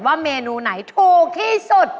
เมนูไหนถูกที่สุด